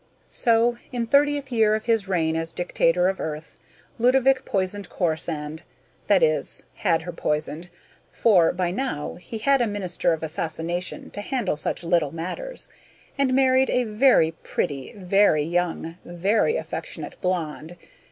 So, in thirtieth year of his reign as Dictator of Earth, Ludovick poisoned Corisande that is, had her poisoned, for by now he had a Minister of Assassination to handle such little matters and married a very pretty, very young, very affectionate blonde.